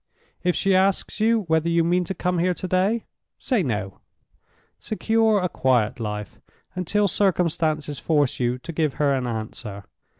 If she asks you whether you mean to come here today, say No. Secure a quiet life until circumstances force you to give her an answer.